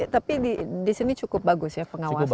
tapi di sini cukup bagus ya pengawasan